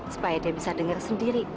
supaya dia bisa dengar sendiri